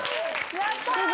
やった！